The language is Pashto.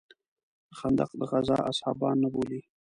د خندق د غزا اصحابان نه بولې.